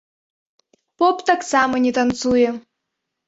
Поп таксама не танцуе.